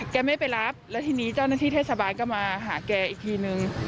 แกไม่ไปรับแล้วทีนี้เจ้าหน้าที่เทศบาลก็มาหาแกอีกทีนึง